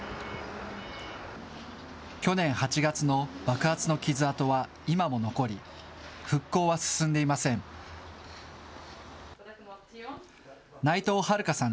去年８月の爆発の傷跡は今も残り、復興は進んでいません。